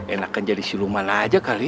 enak kan jadi siluman aja kali